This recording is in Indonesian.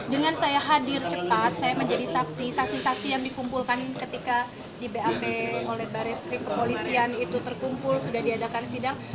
dengan saya hadir cepat saya menjadi saksi saksi yang dikumpulkan ketika di bap oleh baris krim kepolisian itu terkumpul sudah diadakan sidang